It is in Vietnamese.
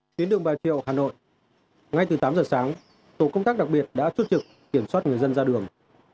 tuyến đường bà triệu hà nội ngay từ tám giờ sáng tổ công tác đặc biệt đã chốt trực kiểm soát người dân ra đường